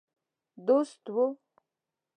دوست وو.